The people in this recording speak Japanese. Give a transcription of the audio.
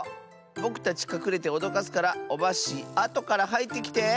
ぼくたちかくれておどかすからオバッシーあとからはいってきて！